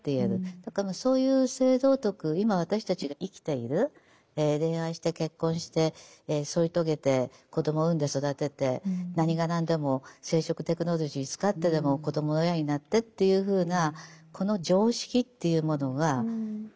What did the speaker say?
だからそういう性道徳今私たちが生きている恋愛して結婚して添い遂げて子供産んで育てて何が何でも生殖テクノロジー使ってでも子供の親になってっていうふうなこの常識というものが結構歴史が浅い。